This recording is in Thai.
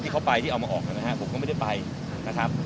ที่เขาไปที่เอามาออกนะครับผมก็ไม่ได้ไปนะครับ